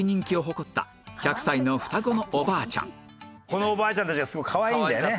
このおばあちゃんたちがすごいかわいいんだよね。